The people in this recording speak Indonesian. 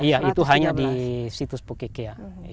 iya itu hanya di situs pokekea